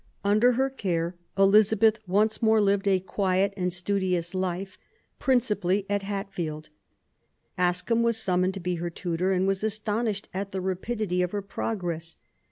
Under her care Elizabeth once more lived a quiet and studious life, principally at Hatfield. Ascham was summoned to be her tutor and was astonished at the rapidity of her progress.